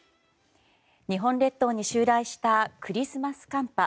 日本列島に襲来したクリスマス寒波。